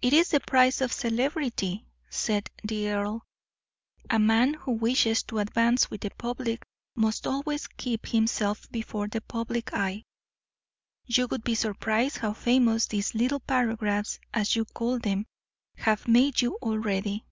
"It is the price of celebrity," said the earl. "A man who wishes to advance with the public must always keep himself before the public eye. You would be surprised how famous these little paragraphs, as you call them, have made you already.